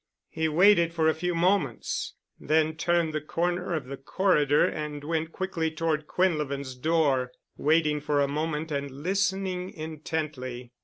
He waited for a few moments, then turned the corner of the corridor and went quickly toward Quinlevin's door, waiting for a moment and listening intently.